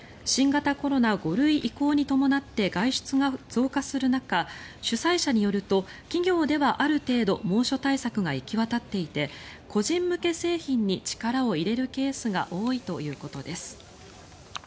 新型コロナ５類移行に伴って外出が増加する中主催者によると、企業ではある程度行き渡っていて個人向け製品に力を入れるケースが多いということです。